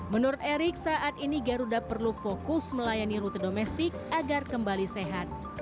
menurut erik saat ini garuda perlu fokus melayani rute domestik agar kembali sehat